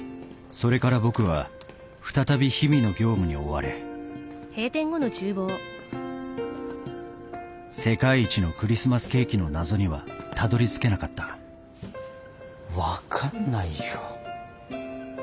それから僕は再び日々の業務に追われ世界一のクリスマスケーキの謎にはたどりつけなかった分かんないよ。